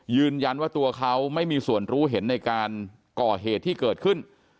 ยืนยันว่าตัวเขาไม่มีส่วนรู้เห็นในการก่อเหตุที่เกิดขึ้น